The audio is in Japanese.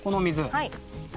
はい。